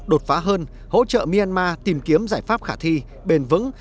đột phá hơn hỗ trợ myanmar tìm kiếm giải pháp khả thi bền vững